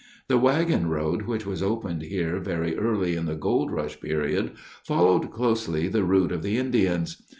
The wagon road which was opened here very early in the gold rush period followed closely the route of the Indians.